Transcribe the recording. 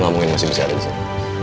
lu gak mungkin masih bisa ada di sana